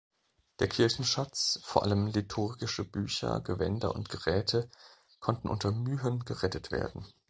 Der Kirchenschatz, vor allem liturgische Bücher, Gewänder und Geräte, konnte unter Mühen gerettet werden.